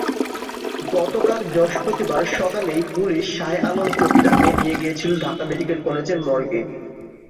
গতকাল বৃহস্পতিবার সকালেই পুলিশ শাহে আলম চৌকিদারকে নিয়ে গিয়েছিল ঢাকা মেডিকেল কলেজের মর্গে।